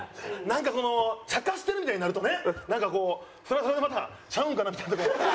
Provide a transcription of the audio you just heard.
なんかこのちゃかしてるみたいになるとねなんかこうそれはそれでまたちゃうんかなみたいなとこ。